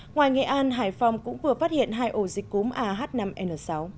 ngoài nghệ an hải phòng cũng vừa phát hiện hai ổ dịch cúm ah năm n sáu